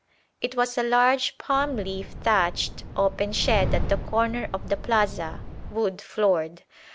It was a large palm leaf thatched open shed at the corner of the plaza, wood floored.